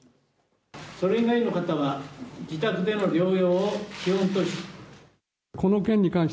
それ以外の方は自宅での療養を基本とし。